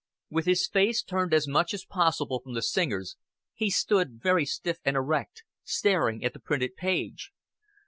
With his face turned as much as possible from the singers, he stood very stiff and erect, staring at the printed page.